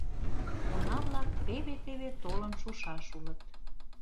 Уна-влак теве-теве толын шушаш улыт.